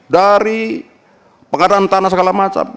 dari pengadaan tanah segala macam